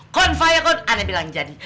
konvaya konvaya aneh bilang jadi